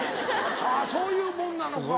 はぁそういうもんなのか。